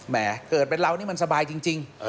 เกิดเป็นเรานี่มันสบายจริง